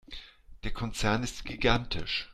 Der Konzern ist gigantisch.